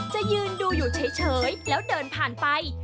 จะยืนดูอยู่เฉยแล้วเดินผ่านไป